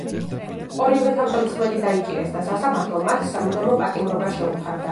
ორივე თავდამსხმელი დაიჭირეს და სასამართლომ მათ სამუდამო პატიმრობა შეუფარდა.